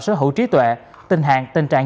sở hữu trí tuệ tình hạng tình trạng